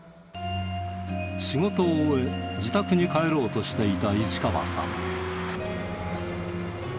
仕事を終え自宅に帰ろうとしていた市川さん。